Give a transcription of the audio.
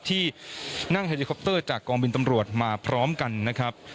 ที่นั่งเฮลิคอปเตอร์จากกองบินตำรวจมาพร้อมกันนะครับ